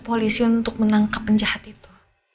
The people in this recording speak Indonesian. polisi untuk menangkap penjahat itu